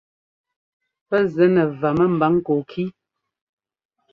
Pɛ́ zɛ́ nɛ vǎ mɛ́mbǎŋ kɔɔkí.